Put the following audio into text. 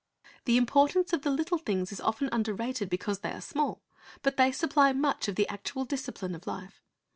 "* The importance of the little things is often underrated because they are small ; but they supply much of the actual discipline of life.